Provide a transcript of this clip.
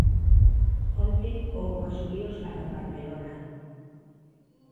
Onte houbo asubíos para o Barcelona.